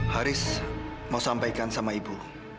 haris mau sampaikan sama ibu